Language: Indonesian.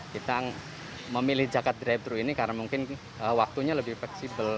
kita memilih jaket drive thru ini karena mungkin waktunya lebih fleksibel